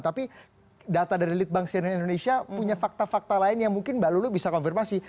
tapi data dari lead bank cnn indonesia punya fakta fakta lain yang mungkin mbak lulu bisa konfirmasi